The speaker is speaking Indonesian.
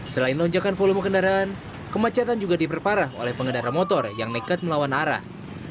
selain lonjakan volume kendaraan kemacetan juga diperparah oleh pengendara motor yang nekat melawan arah